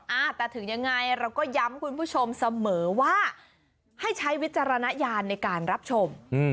อ่าแต่ถึงยังไงเราก็ย้ำคุณผู้ชมเสมอว่าให้ใช้วิจารณญาณในการรับชม